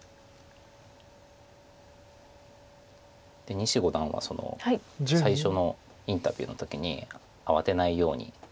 西五段は最初のインタビューの時に慌てないようにとは。